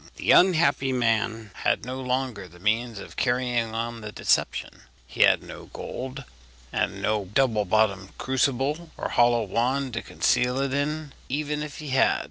The unhappy man had no longer the means of carrying on the deception; he had no gold, and no double bottomed crucible or hollow wand to conceal it in, even if he had.